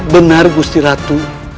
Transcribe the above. benar gusti ratu